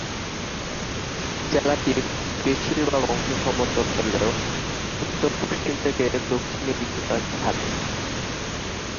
জেলাটির বেশিরভাগ অংশ সমতল হলেও উত্তর-পশ্চিম থেকে দক্ষিণে কিছুটা ঢালু।